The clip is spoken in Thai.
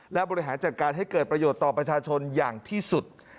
และบริหารจัดการให้เกิดประโยชน์ต่อประชาชนอย่างที่สุด